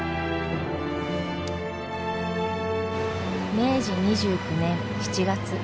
明治２９年７月。